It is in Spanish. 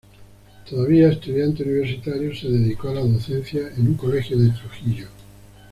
Todavía estudiante universitario, se dedicó a la docencia en un colegio de Trujillo.